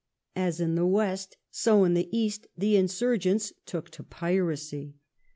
s/As in the West, so in the East, the insurgents took to piracy.